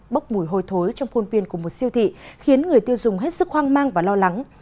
bốc mùi hôi thối trong khuôn viên của một siêu thị khiến người tiêu dùng hết sức hoang mang và lo lắng